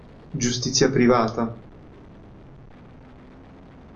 Giustizia privata